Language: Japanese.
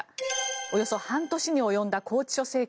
およそ半年に及んだ拘置所生活。